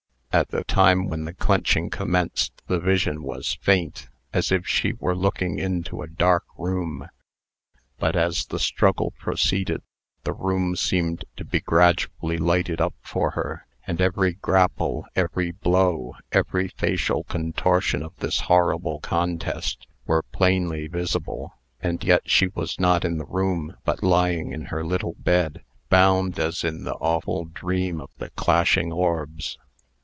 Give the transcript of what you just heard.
At the time when the clenching commenced, the vision was faint, as if she were looking into a dark room. But, as the struggle proceeded, the room seemed to be gradually lighted up for her; and every grapple, every blow, every facial contortion of this horrible contest, were plainly visible. And yet she was not in the room, but lying in her little bed, bound as in the awful dream of the clashing orbs.